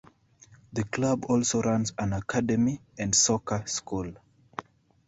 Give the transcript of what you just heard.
The club also runs an Academy and Soccer School.